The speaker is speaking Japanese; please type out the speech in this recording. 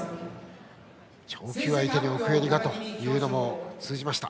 超級相手に奥襟というのも通じました。